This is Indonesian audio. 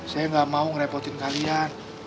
saya nggak mau ngerepotin kalian